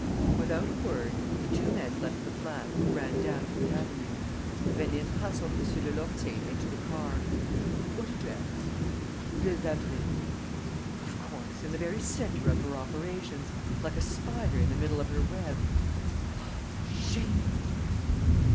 Without a word, the two men left the flat and ran down to the avenue. Rénine hustled M. de Lourtier into the car: "What address?" "Ville d'Avray." "Of course! In the very center of her operations ... like a spider in the middle of her web! Oh, the shame of it!"